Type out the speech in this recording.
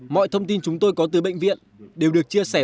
mọi thông tin chúng tôi có từ bệnh viện đều được chia sẻ